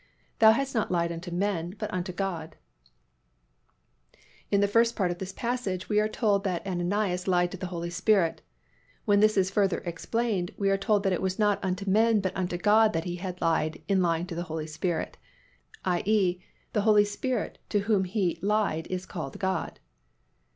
Thou hast not lied unto men but unto God." In the first part of this passage we are told that Ananias lied to the Holy Spirit. When this is further explained, we are told it was not unto men but unto God that he had lied in lying to the Holy Spirit, i. e., the Holy Spirit to whom he lied is called God.